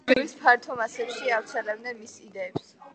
ისინი გლეხების ფართო მასებში ავრცელებდნენ მის იდეებს.